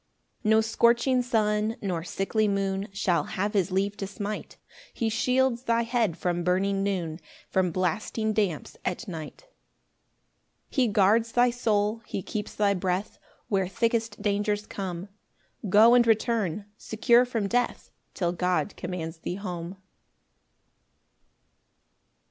5 Nor scorching sun, nor sickly moon, Shall have his leave to smite; He shields thy head from burning noon, From blasting damps at night. 6 He guards thy soul, he keeps thy breath Where thickest dangers come; Go and return, secure from death, Till God commands thee home.